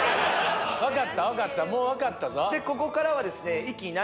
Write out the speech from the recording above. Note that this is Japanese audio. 分かった分かったもう分かったぞで一気にうわっ！